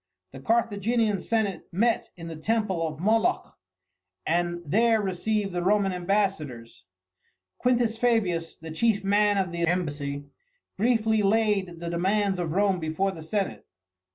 The Carthaginian senate met in the temple of Moloch and there received the Roman ambassadors. Q. Fabius, the chief man of the embassy, briefly laid the demands of Rome before the senate.